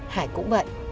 hải cũng vậy